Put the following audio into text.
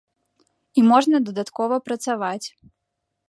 І можна дадаткова працаваць.